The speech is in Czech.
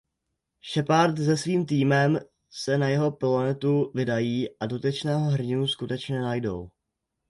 Sheppard se svým týmem se na jeho planetu vydají a dotyčného hrdinu skutečně najdou.